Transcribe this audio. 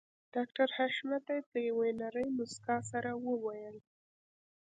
ډاکټر حشمتي په يوې نرۍ مسکا سره وويل